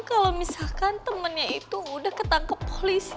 kalau misalkan temennya itu udah ketangkep polisi